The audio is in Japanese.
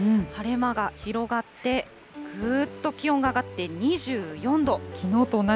晴れ間が広がって、ぐーっと気温が上がって２４度。